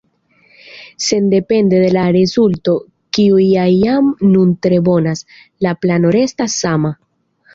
Sendepende de la rezulto, kiu ja jam nun tre bonas, la plano restas sama.